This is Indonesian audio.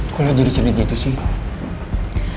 kok lo jadi sering gitu sih